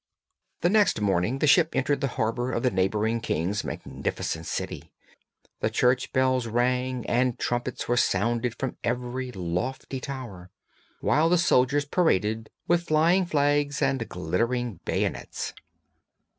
The next morning the ship entered the harbour of the neighbouring king's magnificent city. The church bells rang and trumpets were sounded from every lofty tower, while the soldiers paraded with flags flying and glittering bayonets.